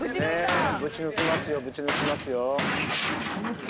ぶち抜きますよぶち抜きますよ。